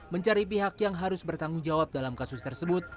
mencari pihak yang harus bertanggung jawab dalam kasus tersebut